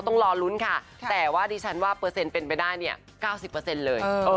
ต้องรอลุ้นค่ะแต่ว่าดิฉันว่าเปอร์เซ็นต์เป็นไปได้เนี่ย๙๐เลย